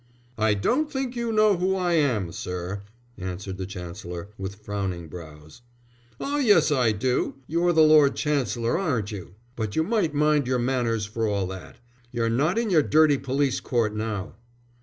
"I don't think you know who I am, sir," answered the Chancellor, with frowning brows. "Oh yes, I do! You're the Lord Chancellor, aren't you? But you might mind your manners for all that. You're not in your dirty police court now."